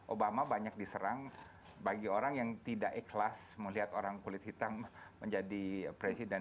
obama banyak diserang bagi orang yang tidak ikhlas melihat orang kulit hitam menjadi presiden